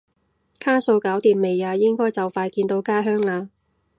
卡數搞掂未啊？應該就快見到家鄉啦？